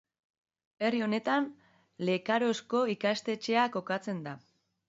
Herri honetan Lekarozko ikastetxea kokatzen da.